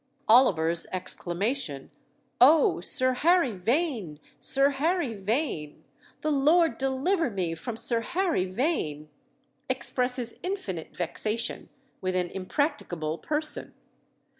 Oliver's exclamation, "Oh, Sir Harry Vane! Sir Harry Vane! The Lord deliver me from Sir Harry Vane!" expresses infinite vexation with an impracticable person.